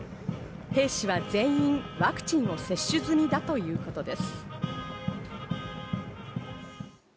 兵士は全員ワクチンを接種済みだということです。